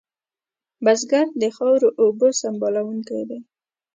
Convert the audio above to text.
بزګر د خاورو اوبو سنبالونکی دی